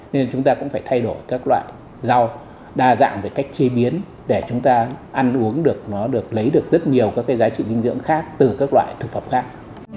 nên chúng ta cũng phải thay đổi các loại rau đa dạng về cách chế biến để chúng ta ăn uống được lấy được rất nhiều giá trị dinh dưỡng khác từ các loại thực phẩm khác